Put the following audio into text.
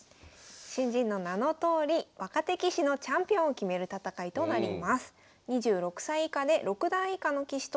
新人の名のとおり若手棋士のチャンピオンを決める戦いとなります。